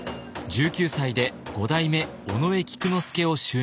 １９歳で五代目尾上菊之助を襲名しました。